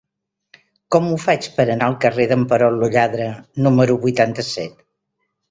Com ho faig per anar al carrer d'en Perot lo Lladre número vuitanta-set?